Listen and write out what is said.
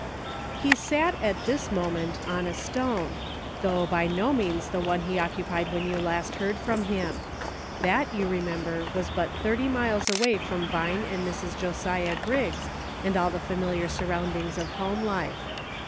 HE sat at this moment on a stone, though by no means the one he occupied when you last heard from him. That, you remember, was but thirty miles away from Vine and Mrs. Josiah Griggs and all the familiar surroundings of home life.